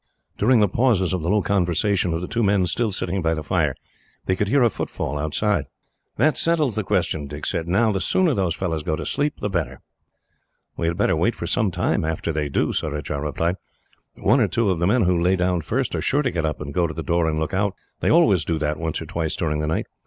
During the pauses of the low conversation of the two men still sitting by the fire, they could hear a footfall outside. "That settles the question," Dick said. "Now, the sooner those fellows go to sleep, the better." "We had better wait for some time, after they do," Surajah replied. "One or two of the men, who lay down first, are sure to get up and go to the door and look out. They always do that, once or twice during the night.